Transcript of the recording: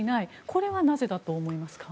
これはなぜだと思いますか？